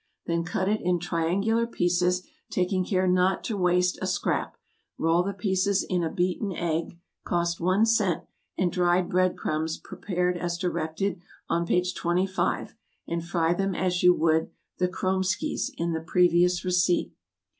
Then cut it in triangular pieces, taking care not to waste a scrap, roll the pieces in a beaten egg, (cost one cent,) and dried bread crumbs prepared as directed on page 25, and fry them as you would the KROMESKYS in the previous receipt.